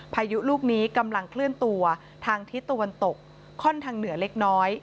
พายุลูกนี้กำลังเคลื่อนตัวทางทิศตะวันตกค่อนทางเหนือเล็กน้อย